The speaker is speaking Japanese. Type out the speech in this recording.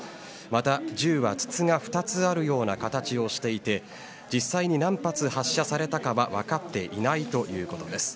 また、銃は筒が２つあるような形をしていて実際に何発発射されたかは分かっていないということです。